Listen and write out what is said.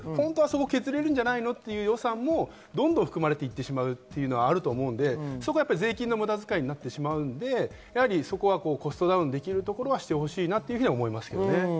削れるんじゃないの？という予算もどんどん含まれていってしまうというのはあると思うので税金の無駄遣いになってしまうので、そこはコストダウンできるところはしてほしいなと思いますけれどね。